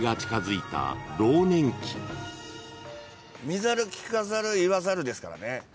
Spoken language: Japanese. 見ざる聞かざる言わざるですからね。